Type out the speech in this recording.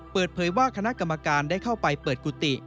เปิดเผยว่าคณะกรรมการได้เข้าไปเปิดกุฏิ